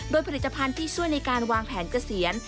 โดยผลิตภัณฑ์ที่ช่วยในการวางแผนเกษียณ